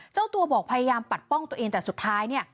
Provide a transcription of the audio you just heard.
เจ้าตัวบอกพยายามปัดป้องตัวเองแต่สุดท้ายเนี่ย